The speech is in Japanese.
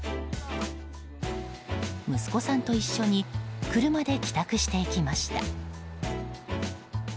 息子さんと一緒に車で帰宅していきました。